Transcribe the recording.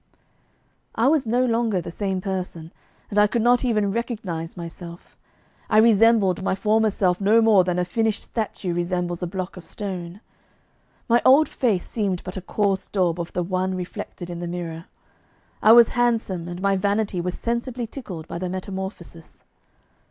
I was no longer the same person, and I could not even recognise myself. I resembled my former self no more than a finished statue resembles a block of stone. My old face seemed but a coarse daub of the one reflected in the mirror. I was handsome, and my vanity was sensibly tickled by the metamorphosis.